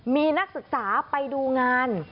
มีนักศึกษาไปดูงาน